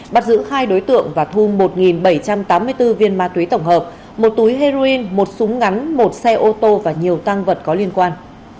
bắt giữ hai đối tượng và thu một bảy trăm tám mươi bốn viên ma túy tổng hợp một túi heroin một súng ngắn một xe ô tô và nhiều tăng vật có liên quan